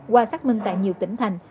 qua xác minh tại nhiều tỉnh thành